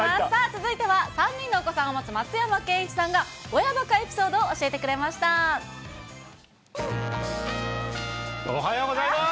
続いては、３人のお子さんを持つ松山ケンイチさんが、親ばかエピおはようございます。